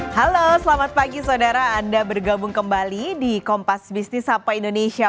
halo selamat pagi saudara anda bergabung kembali di kompas bisnis apa indonesia